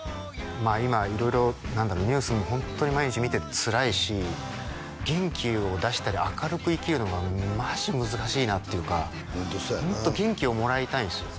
今色々何だろうニュースもホントに毎日見ててつらいし元気を出したり明るく生きるのがマジ難しいなっていうかホントそうやなもっと元気をもらいたいんですよ